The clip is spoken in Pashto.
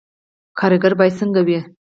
کارګر باید څنګه وي؟